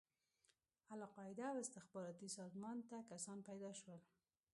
القاعده او استخباراتي سازمان ته کسان پيدا شول.